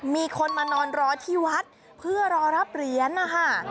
มีคนมานอนรอที่วัดเพื่อรอรับเหรียญนะคะ